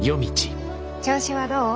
調子はどう？